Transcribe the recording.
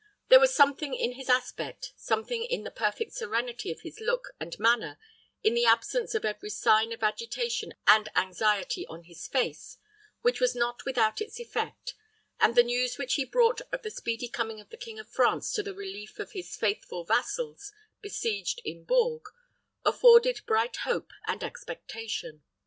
There was something in his aspect, something in the perfect serenity of his look and manner, in the absence of every sign of agitation and anxiety on his face, which was not without its effect, and the news which he brought of the speedy coming of the King of France to the relief of his faithful vassals besieged in Bourges afforded bright hope and expectation.